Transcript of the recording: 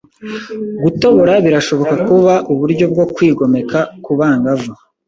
Gutobora birashobora kuba uburyo bwo kwigomeka kubangavu.